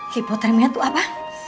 hipotermia itu apa